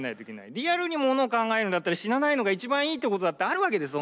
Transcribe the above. リアルにものを考えるんだったら死なないのが一番いいってことだってあるわけです